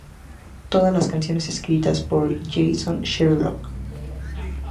Todas las canciones escritas por Jayson Sherlock.